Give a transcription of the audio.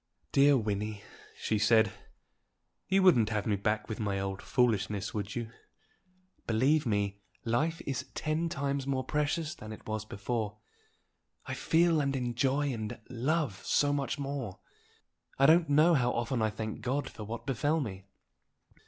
"Dear Wynnie," she said, "you wouldn't have me back with my old foolishness, would you? Believe me, life is ten times more precious than it was before. I feel and enjoy and love so much more! I don't know how often I thank God for what befell me."